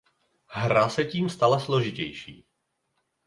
Hra se tím stala složitější.